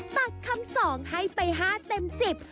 ตัดคำสองให้ไปห้าเต็มสิบ